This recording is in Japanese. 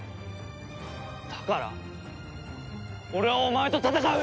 だから俺はお前と戦う！